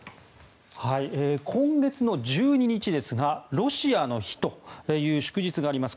今月１２日ですがロシアの日という祝日があります。